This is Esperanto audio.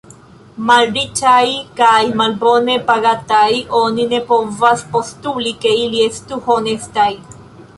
Malriĉaj kaj malbone pagataj, oni ne povas postuli, ke ili estu honestaj.